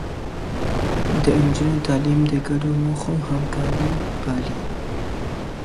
د نجونو تعليم د ګډو موخو همکاري پالي.